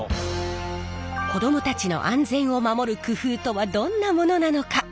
子どもたちの安全を守る工夫とはどんなものなのか？